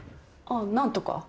何とか。